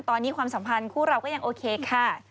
ตอนนี้ความสัมพันธ์คู่เราก็ยังโอเคค่ะ